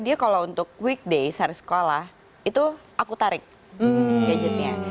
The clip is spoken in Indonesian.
dia kalau untuk weekday sehari sekolah itu aku tarik gadgetnya